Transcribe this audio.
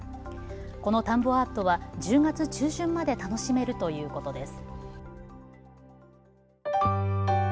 この田んぼアートは１０月中旬まで楽しめるということです。